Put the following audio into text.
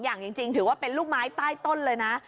โอ้โหได้ทั้ง๒อย่างจริงถือว่าเป็นลูกไม้ใต้ต้นเลยนะ